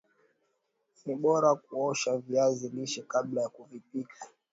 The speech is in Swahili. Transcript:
ni bora kuosha viazi lishe kabla ya kuvipika